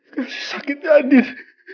kasih sakitnya andir